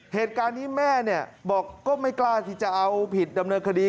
เหตุการณ์นี้แม่บอกก็ไม่กล้าที่จะเอาผิดดำเนินคดี